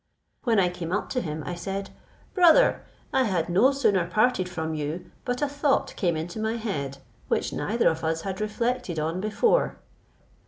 When I came up to him, I said, "Brother, I had no sooner parted from you, but a thought came into my head, which neither of us had reflected on before.